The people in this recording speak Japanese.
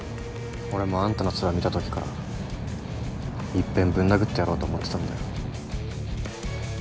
俺もあんたのツラ見たときから一遍ぶん殴ってやろうと思ってたんだよ。